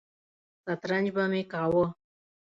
سترنج به مې کاوه.